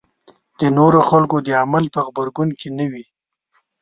د نورو خلکو د عمل په غبرګون کې نه وي.